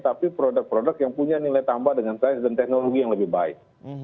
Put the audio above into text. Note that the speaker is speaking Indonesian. tapi produk produk yang punya nilai tambah dengan sains dan teknologi yang lebih baik